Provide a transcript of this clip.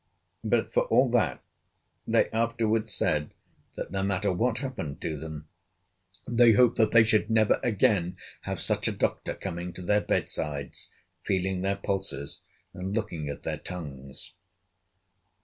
But, for all that, they afterward said that no matter what happened to them, they hoped that they should never again have such a doctor coming to their bed sides, feeling their pulses and looking at their tongues.